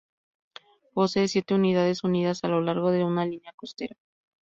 Posee siete unidades, unidas a lo largo de una línea costera.